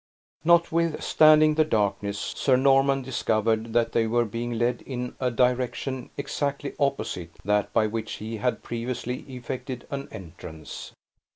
Notwithstanding the darkness, Sir Norman discovered that they were being led in a direction exactly opposite that by which he had previously effected an entrance.